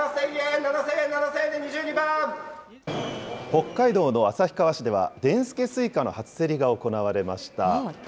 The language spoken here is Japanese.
北海道の旭川市では、でんすけすいかの初競りが行われました。